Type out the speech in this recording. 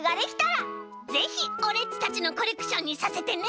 ぜひオレっちたちのコレクションにさせてね！